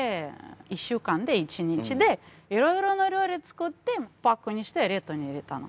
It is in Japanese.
１週間で１日で色々な料理作ってパックにして冷凍に入れたの。